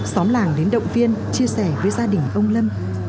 xóm làng đến động viên chia sẻ với gia đình ông lâm